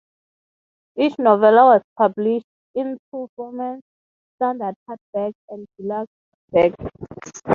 Each novella was published in two formats: standard hardback and deluxe hardback.